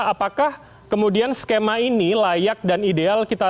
apakah kemudian skema ini layak dan ideal